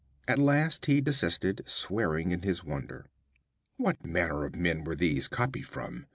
At last he desisted, swearing in his wonder. 'What manner of men were these copied from?'